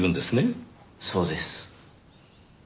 そうです。